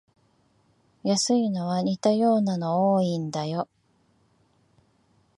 安いのは似たようなの多いんだよ